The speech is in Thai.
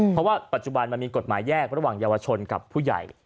เพราะว่าปัจจุบันมันมีกฎหมายแยกระหว่างเยาวชนกับผู้ใหญ่